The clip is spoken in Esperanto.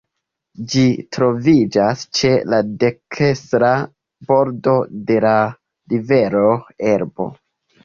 Ĝi troviĝas ĉe la dekstra bordo de la rivero Elbo.